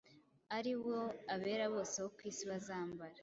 ari wo abera bose bo ku isi bazambara.